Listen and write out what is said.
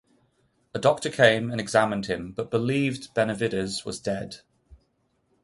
A doctor came and examined him but believed Benavidez was dead.